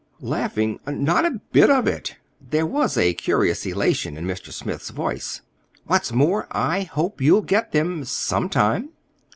"Laughing? Not a bit of it!" There was a curious elation in Mr. Smith's voice. "What's more, I hope you'll get them—some time."